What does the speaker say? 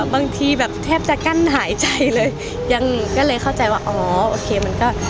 บางทีแบบแทบจะกั้นหายใจเลยยังก็เลยเข้าใจว่าอ๋อโอเคมันก็